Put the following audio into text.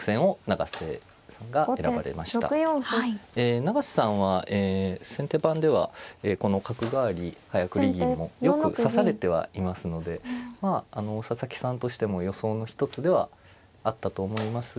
永瀬さんは先手番ではこの角換わり早繰り銀もよく指されてはいますのでまあ佐々木さんとしても予想の一つではあったと思いますが。